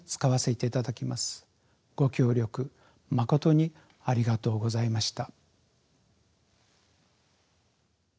ご協力まことにありがとうございました。